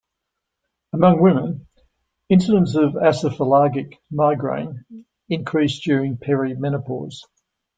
Among women, incidents of acephalgic migraine increase during perimenopause.